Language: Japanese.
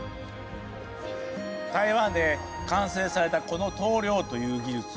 台湾で完成されたこの刀療という技術。